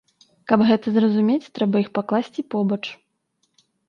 Каб гэта зразумець, трэба іх пакласці побач.